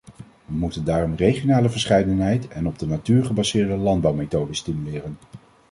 We moeten daarom regionale verscheidenheid en op de natuur gebaseerde landbouwmethoden stimuleren.